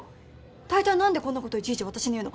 だいたい何でこんなこといちいち私に言うの？